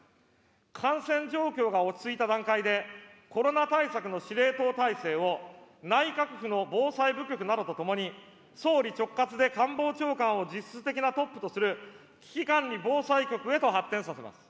感染状況が落ち着いた段階で、コロナ対策の司令塔体制を、内閣府の防災部局などとともに、総理直轄で官房長官を実質的なトップとする危機管理・防災局へと発展させます。